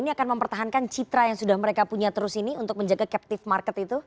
ini akan mempertahankan citra yang sudah mereka punya terus ini untuk menjaga captive market itu